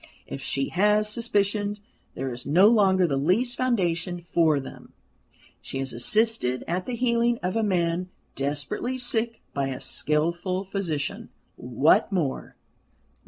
If she has suspicions there is no longer the least foundation for them; she has assisted at the healing of a man desperately sick by a skilful physician. What more?